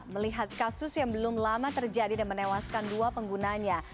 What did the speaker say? melihat kasus yang belum lama terjadi dan menewaskan dua penggunanya